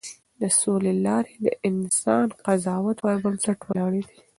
د سولې لارې د انسانانه قضاوت پر بنسټ ولاړې دي.